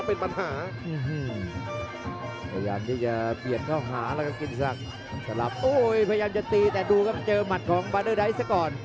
พยายามจะตีแต่ดูครับเจอหมัดของบัตรดายซะก่อน